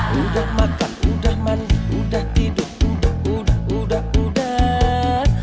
sudah makan sudah mandi sudah tidur sudah udah sudah sudah